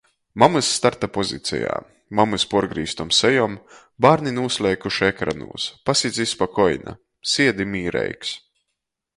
Mamys starta pozicejā. Mamys puorgrīztom sejom, bārni nūsleikuši ekranūs. Pasidzi spakoina. Siedi mīreigs.